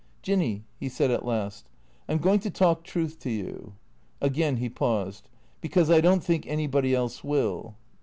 " Jinny," he said at last, " I 'm going to talk truth to you." Again he paused. " Because I don't think anybody else will."